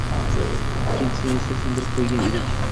Ikkinchisini esa, sindirib qo‘ygan edik